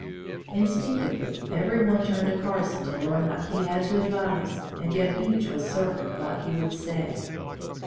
Instinctively every one turned to Carson to learn what he had to advise and yet each was certain what he would say.